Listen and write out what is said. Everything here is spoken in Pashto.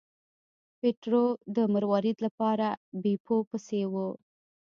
پیټرو د مروارید لپاره بیپو پسې و.